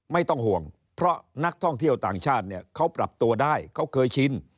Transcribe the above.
ไม่ต้องห่วงเพราะนักท่องเที่ยวต่างชาติเนี่ยเขาปรับตัวได้เขาเคยชิน